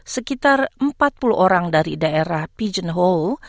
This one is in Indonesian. sekitar empat puluh orang dari daerah pijen hole